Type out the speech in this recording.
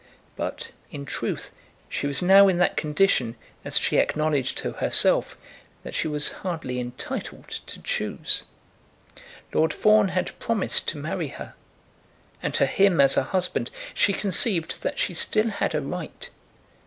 But, in truth, she was now in that condition, as she acknowledged to herself, that she was hardly entitled to choose. Lord Fawn had promised to marry her, and to him as a husband she conceived that she still had a right.